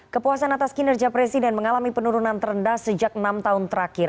kepuasan atas kinerja presiden mengalami penurunan terendah sejak enam tahun terakhir